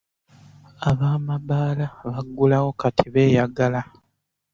Abamabaala baggulawo kati beyagala.